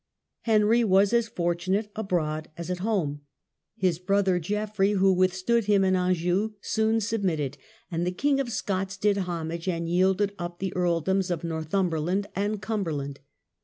Henry was as fortunate abroad as at home. His brother Geoffrey, who withstood him in Anjou, soon submitted, and the King of Scots did homage and yielded up the earl doms of Northumberland and Cumberland.